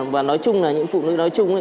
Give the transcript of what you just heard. và nói chung là những phụ nữ nói chung